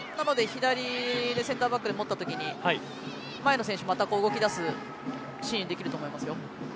左でセンターバックで持ったときに前の選手がまた動きだすシーンでできると思いますよ。